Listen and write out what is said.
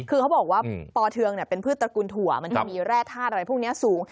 คือเขาบอกว่าปอเทืองเป็นพืชตระกูลถั่วมันจะมีแร่ธาตุอะไรพวกนี้สูง